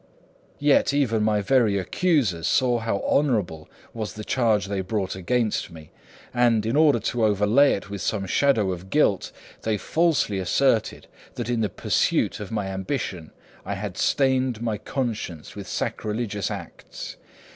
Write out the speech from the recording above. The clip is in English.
'Yet even my very accusers saw how honourable was the charge they brought against me, and, in order to overlay it with some shadow of guilt, they falsely asserted that in the pursuit of my ambition I had stained my conscience with sacrilegious acts.